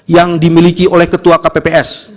yang dimiliki oleh ketua kpps